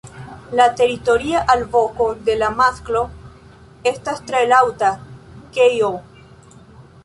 La teritoria alvoko de la masklo estas tre laŭta "kej-oh".